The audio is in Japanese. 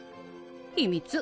秘密。